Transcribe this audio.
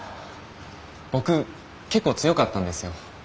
僕結構強かったんですよ。